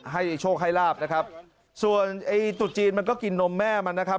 ให้โชคให้ลาบนะครับส่วนไอ้ตุดจีนมันก็กินนมแม่มันนะครับ